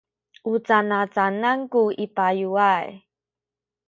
u canacanan ku i bayuay?